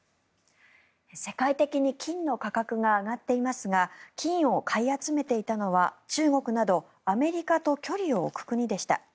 世界的に金の価格が上がっていますが金を買い集めていたのは中国などアメリカと距離を置く国でした。